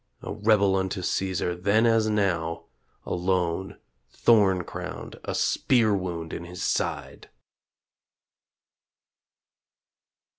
.? A rebel unto Caesar then as now Alone, thorn crowned, a spear wound in his side!